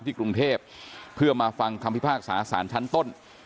กรุงเทพเพื่อมาฟังคำพิพากษาสารชั้นต้น